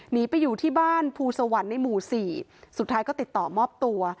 หนีไปอยู่ที่บ้านภูสวรรค์ในหมู่สี่สุดท้ายก็ติดต่อมอบตัว